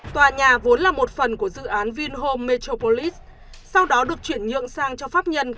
tòa nhà vốn là một phần của dự án vinhome metropolis sau đó được chuyển nhượng sang cho pháp nhân